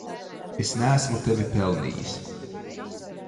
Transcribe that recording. Es neesmu tevi pelnījis.